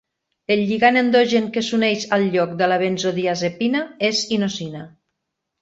El lligand endogen que s'uneix al lloc de la benzodiazepina és inosina.